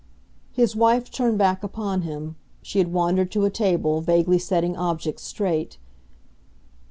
His wife turned back upon him; she had wandered to a table, vaguely setting objects straight.